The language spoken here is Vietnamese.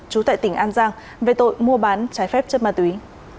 trú tại tỉnh an giang về tội mua bán trái phép chất ma túy